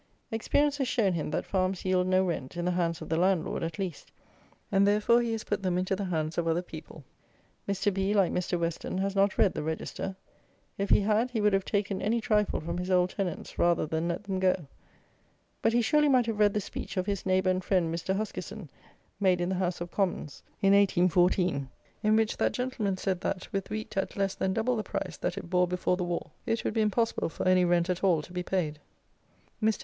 Experience has shown him that farms yield no rent, in the hands of the landlord at least; and therefore he has put them into the hands of other people. Mr. B , like Mr. Western, has not read the Register. If he had, he would have taken any trifle from his old tenants, rather than let them go. But he surely might have read the speech of his neighbour and friend Mr. Huskisson, made in the House of Commons in 1814, in which that gentleman said that, with wheat at less than double the price that it bore before the war, it would be impossible for any rent at all to be paid. Mr.